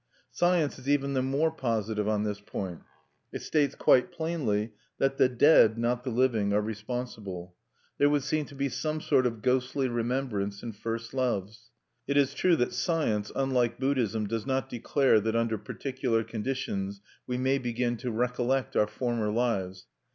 Science is even the more positive on this point: it states quite plainly that the dead, not the living, are responsible. There would seem to be some sort of ghostly remembrance in first loves. It is true that science, unlike Buddhism, does not declare that under particular conditions we may begin to recollect our former lives.